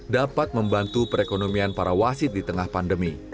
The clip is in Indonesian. dapat membantu perekonomian para wasit di tengah pandemi